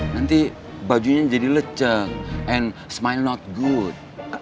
nanti bajunya jadi leceh and smile not good